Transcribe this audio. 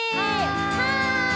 はい！